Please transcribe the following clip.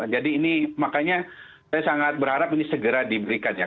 jadi ini makanya saya sangat berharap ini segera diberikan ya